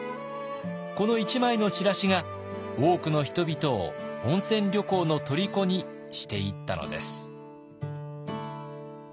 この１枚のチラシが多くの人々を温泉旅行のとりこにしていったのです。